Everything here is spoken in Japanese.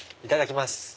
いただきます！